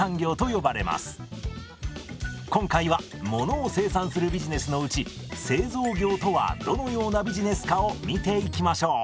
今回はものを生産するビジネスのうち製造業とはどのようなビジネスかを見ていきましょう。